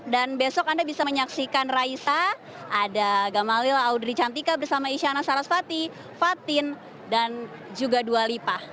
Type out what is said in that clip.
dan besok anda bisa menyaksikan raisa ada gamalil audrey cantika bersama isyana sarasvati fatin dan juga dua lipah ila